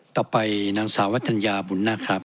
ต่อไปนางสาวทัญญาบุญนะครับ